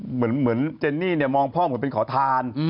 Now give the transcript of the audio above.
เหมือนเจนนี่เนี่ยมองพ่อเหมือนเป็นขอทาน